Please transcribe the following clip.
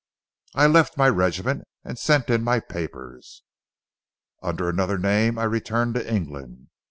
I left my regiment and sent in my papers. Under another name I returned to England.